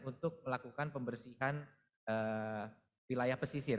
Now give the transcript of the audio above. untuk melakukan pembersihan wilayah pesisir